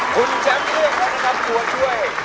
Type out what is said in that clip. คุณแชมป์เลือกแล้วนะครับตัวช่วย